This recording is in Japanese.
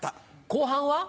後半は？